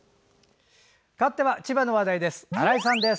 かわっては千葉の話題です。